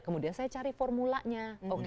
kemudian saya cari formulanya